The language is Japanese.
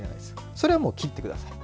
それはもう切ってください。